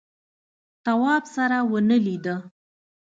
تواب سره ونه ولیده.